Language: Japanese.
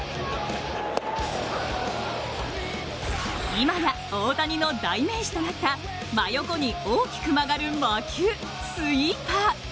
今や、大谷の代名詞となった真横に大きく曲がる魔球・スイーパー。